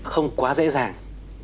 không quá dễ dàng